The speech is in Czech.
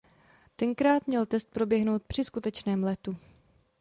Tentokrát měl test proběhnout při skutečném letu.